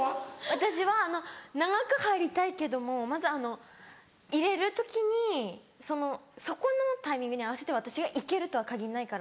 私は長く入りたいけどもまず入れる時にそこのタイミングに合わせて私が行けるとは限んないから。